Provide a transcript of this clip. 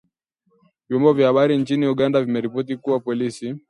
Vyombo vya habari nchini Uganda vimeripoti kuwa polisi